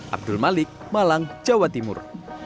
abdul malik malang jawa timur